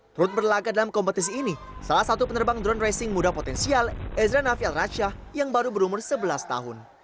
turut berlagak dalam kompetisi ini salah satu penerbang drone racing muda potensial ezra navil rasyah yang baru berumur sebelas tahun